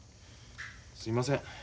すいません